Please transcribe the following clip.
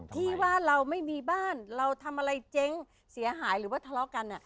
ที่ว่าเราไม่มีบ้านเราทำอะไรเจ๊งเสียหายหรือว่าทะเลาะกัน